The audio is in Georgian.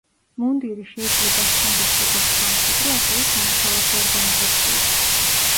მუნდირი შეიძლება ჰქონდეს როგორც სამხედრო, ასევე სამოქალაქო ორგანიზაციებს.